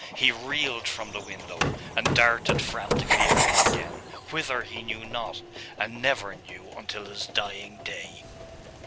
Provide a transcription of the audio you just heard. He reeled from the window, and darted frantically away again.... whither, he knew not, and never knew until his dying day.